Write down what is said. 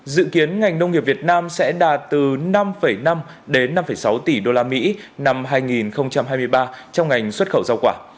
dự kiến ngành nông nghiệp việt nam sẽ đạt từ năm năm đến năm sáu tỷ usd năm hai nghìn hai mươi ba trong ngành xuất khẩu rau quả